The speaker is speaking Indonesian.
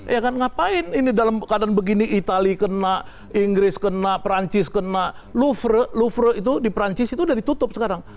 ya kan ngapain ini dalam keadaan begini itali kena inggris kena perancis kena louvre itu di perancis itu sudah ditutup sekarang